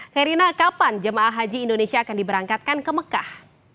herina kapan jemaah haji indonesia akan diberangkatkan ke mekah